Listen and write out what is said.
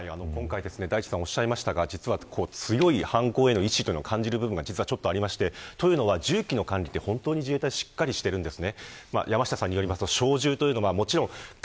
今回、大地さんおっしゃいましたが、実は強い犯行への意志を感じる部分がありまして銃器の管理には本当に自衛隊がしっかりとしています。